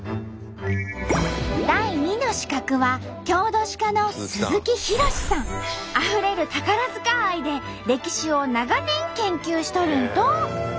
第２の刺客はあふれる宝塚愛で歴史を長年研究しとるんと！